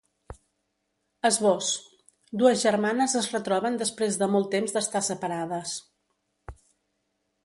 Esbós: Dues germanes es retroben després de molt temps d’estar separades.